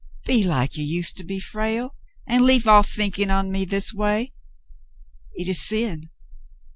Be like you used to be, Frale, and leave off thinking on me this way. It is sin.